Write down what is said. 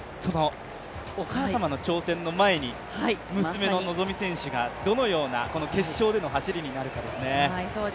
お母様の挑戦の前に娘の希実選手がどのようなこの決勝での走りになるかですね。